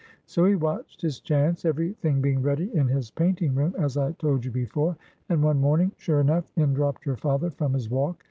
So he watched his chance; every thing being ready in his painting room, as I told you before; and one morning, sure enough, in dropt your father from his walk.